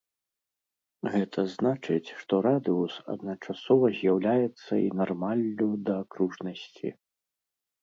Гэта значыць, што радыус адначасова з'яўляецца і нармаллю да акружнасці.